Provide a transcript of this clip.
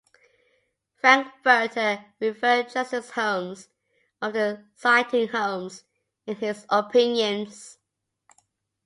Frankfurter revered Justice Holmes, often citing Holmes in his opinions.